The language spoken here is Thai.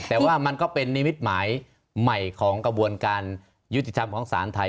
แต่ว่ามันก็เป็นนิมิตหมายใหม่ของกระบวนการยุติธรรมของศาลไทย